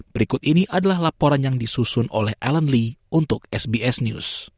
berikut ini adalah laporan yang disusun oleh ellenly untuk sbs news